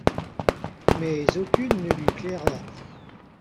Mais aucune ne lui plaira.